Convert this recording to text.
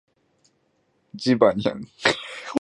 ジバニャン